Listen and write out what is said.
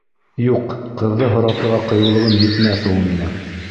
Юҡ, ҡыҙҙы һоратырға ҡыйыулығым етмәҫ ул минең.